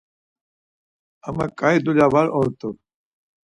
Ama ǩai dulya var ort̆u.